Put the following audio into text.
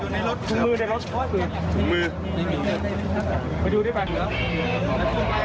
ในรถสืบมุมมือถูกมือ